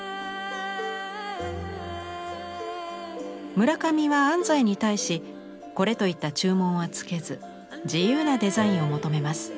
村上は安西に対しこれといった注文は付けず自由なデザインを求めます。